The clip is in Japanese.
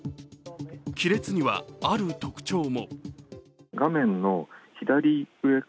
亀裂にはある特徴も。